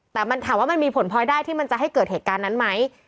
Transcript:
แต่มันถามว่ามันมีผลพลอยได้ที่มันจะให้เกิดเหตุการณ์นั้นไหม